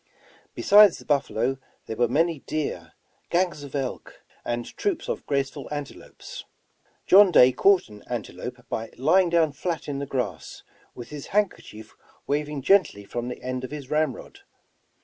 Besides the buffalo there were many deer, gangs of elk, and troops of graceful antelopes. John Day caught an antelope by lying down flat in the grass, with his handkerchief waving gently from the end of his ramrod.